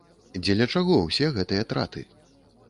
Дзеля чаго ўсе гэтыя траты?